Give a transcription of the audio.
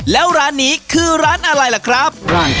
แล้วร้านนี้คือร้านอะไรล่ะครับ